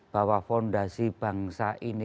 bahwa fondasi bangsa ini